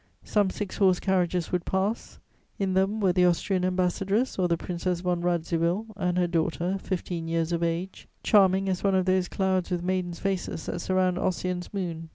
Some six horsed carriages would pass: in them were the Austrian Ambassadress or the Princess von Radziwill and her daughter, fifteen years of age, charming as one of those clouds with maidens' faces that surround Ossian's moon.